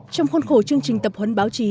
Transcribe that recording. trong khuôn khổ chương trình tập huấn báo chí